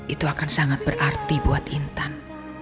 itu akan sangat berarti buat intan